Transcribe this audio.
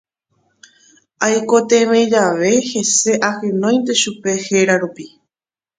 Aikotevẽ jave hese ahenóinte chupe héra rupi.